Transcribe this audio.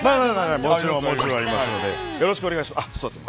よろしくお願いします。